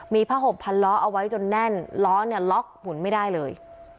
มีผ้าห่มพันล้อเอาไว้จนแน่นล้อเนี่ยล็อกหมุนไม่ได้เลย